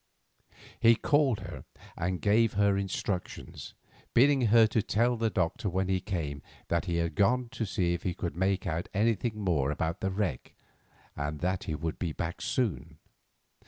He called her and gave her instructions, bidding her tell the doctor when he came that he had gone to see if he could make out anything more about the wreck, and that he would be back soon.